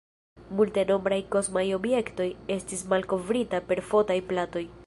Multenombraj kosmaj objektoj estis malkovrita per fotaj platoj.